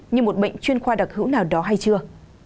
như một bệnh chuyên khoa đặc hữu nào đó hay chưa